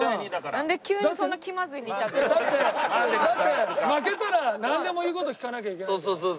だって負けたらなんでも言う事聞かなきゃいけないんだよ。